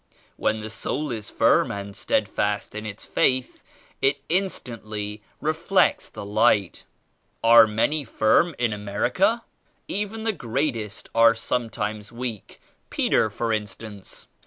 When the soul is firm and steadfast in its Faith, it instantly reflects the Light. Are many firm in America? Even the greatest are sometimes weak; Peter for in stance."